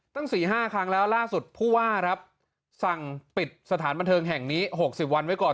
๔๕ครั้งแล้วล่าสุดผู้ว่าครับสั่งปิดสถานบันเทิงแห่งนี้๖๐วันไว้ก่อน